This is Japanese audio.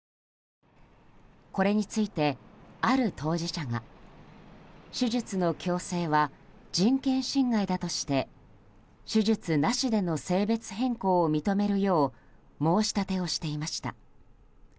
これについて、ある当事者が手術の強制は人権侵害だとして手術なしでの性別変更を認めるよう申し立てをしていました。